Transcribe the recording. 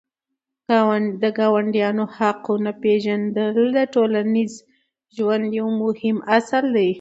د ګاونډیانو حقونه پېژندل د ټولنیز ژوند یو مهم اصل دی.